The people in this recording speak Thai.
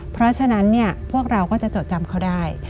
เพราะฉะนั้นพวกเราก็จะจดจำเขาได้